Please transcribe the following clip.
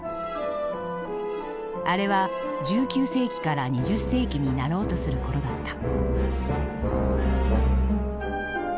あれは１９世紀から２０世紀になろうとする頃だった。